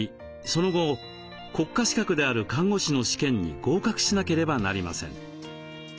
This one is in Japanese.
その後国家資格である看護師の試験に合格しなければなりません。